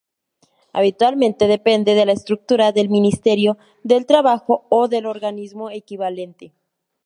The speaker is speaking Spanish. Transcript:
Habitualmente depende de la estructura del Ministerio de Trabajo o del organismo equivalente.